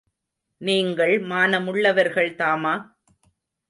நீங்கள் மானமுள்ளவர்கள் தாமா?